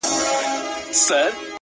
لږ دي د حُسن له غروره سر ور ټیټ که ته _